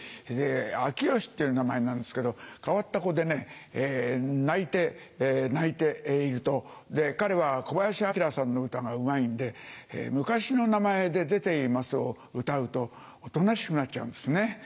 アキヨシっていう名前なんですけど変わった子でね泣いて泣いていると彼は小林旭さんの歌がうまいんで『昔の名前で出ています』を歌うとおとなしくなっちゃうんですね。